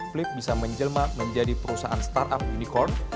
flip bisa menjelma menjadi perusahaan startup unicorn